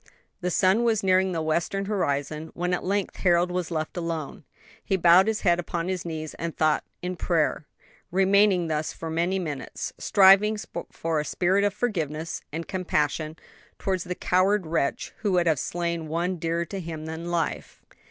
The sun was nearing the western horizon when at length Harold was left alone. He bowed his head upon his knees in thought and prayer, remaining thus for many minutes, striving for a spirit of forgiveness and compassion towards the coward wretch who would have slain one dearer to him than life.